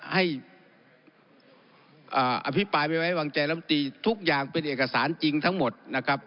ให้อภิปรายไม่ไว้วางใจลำตีทุกอย่างเป็นเอกสารจริงทั้งหมดนะครับ